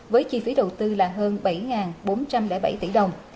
với chi phí đầu tư là hơn bảy bốn trăm linh bảy tỷ đồng